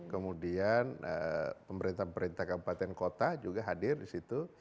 kemudian pemerintah pemerintah kabupaten kota juga hadir disitu